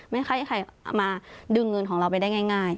ไม่ค่อยมาดึงเงินของเราไปได้ง่าย